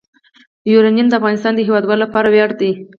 یورانیم د افغانستان د هیوادوالو لپاره ویاړ دی.